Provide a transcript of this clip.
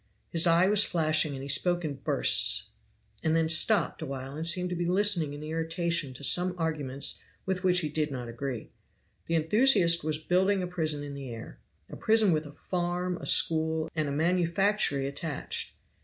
His eye was flashing, and he spoke in bursts, and then stopped a while and seemed to be listening in irritation to some arguments with which he did not agree. The enthusiast was building a prison in the air. A prison with a farm, a school, and a manufactory attached.